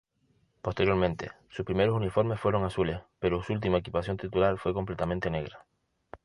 Posteriormente, sus primeros uniformes fueron azules, pero su última equipación titular fue completamente negra.